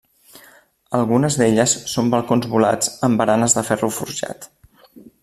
Algunes d'elles són balcons volats amb baranes de ferro forjat.